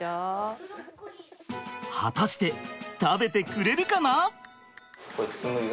果たして食べてくれるかな？